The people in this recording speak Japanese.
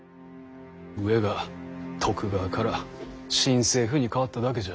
上が徳川から新政府に変わっただけじゃ。